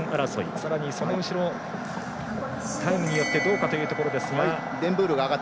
さらにその後ろ、タイムによってどうかというところ。